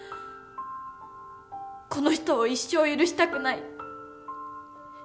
この人を一生許したくない。